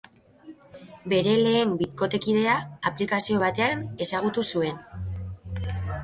Bere lehen bikotekidea aplikazio batean ezagutu zuen.